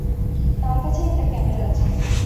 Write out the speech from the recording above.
তার কাছে একটা ক্যামেরা আছে।